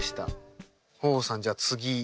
豊豊さんじゃあ次。